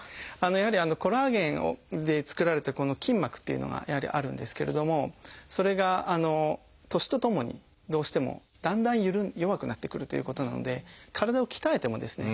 やはりコラーゲンで作られた筋膜っていうのがあるんですけれどもそれが年とともにどうしてもだんだん弱くなってくるということなので体を鍛えてもですね